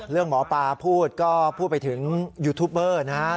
หมอปลาพูดก็พูดไปถึงยูทูปเบอร์นะฮะ